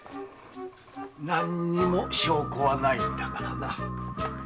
何も証拠はないんだからな。